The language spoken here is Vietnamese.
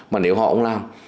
mà nếu họ không làm